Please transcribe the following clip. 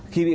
khi bị bắt